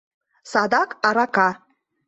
Садак арака.